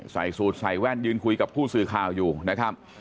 ใส่สูตรใส่แว่นยืนคุยกับผู้สื่อข่าวอยู่นะครับ